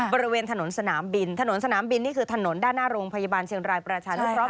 บริเวณถนนสนามบินถนนสนามบินนี่คือถนนด้านหน้าโรงพยาบาลเชียงรายประชานุเคราะห